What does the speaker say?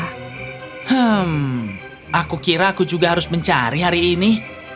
hmm aku kira aku juga harus mencari hari ini